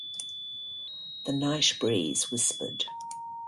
The night breeze whispered.